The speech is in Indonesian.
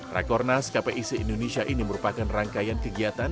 rakornas kpi se indonesia ini merupakan rangkaian kegiatan